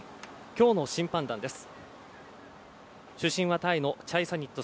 今日の審判団です。